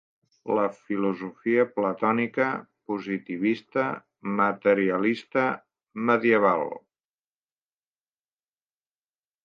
La filosofia platònica, positivista, materialista, medieval.